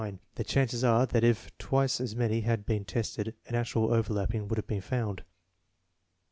The chances are that if twice as many had been tested an actual overlapping would have been found.